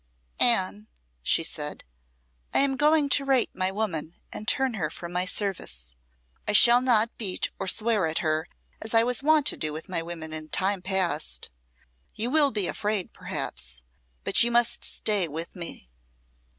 "Anne," she said, "I am going to rate my woman and turn her from my service. I shall not beat or swear at her as I was wont to do with my women in time past. You will be afraid, perhaps; but you must stay with me."